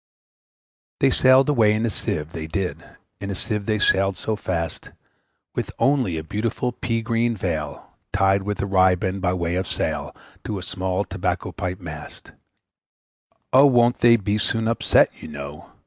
They sailed away in a Sieve, they did, In a Sieve they sailed so fast, With only a beautiful pea green veil Tied with a riband by way of a sail, To a small tobacco pipe mast; And every one said, who saw them go, `O won't they be soon upset, you know!